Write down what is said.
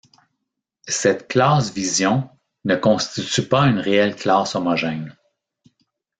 Cette classe Vision ne constitue pas une réelle classe homogène.